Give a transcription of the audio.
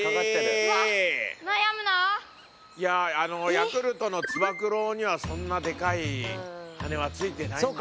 ヤクルトのつば九郎にはそんなでかい羽はついてないんだよね。